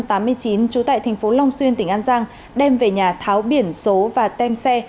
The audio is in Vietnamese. trú tại thành phố long xuyên tỉnh an giang đem về nhà tháo biển số và tem xe